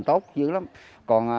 tốt dữ lắm còn